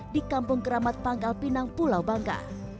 di kampung keramat pangkal pinang pulau bangka